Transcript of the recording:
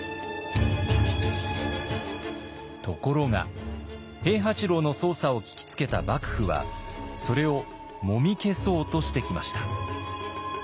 ところが平八郎の捜査を聞きつけた幕府はそれをもみ消そうとしてきました。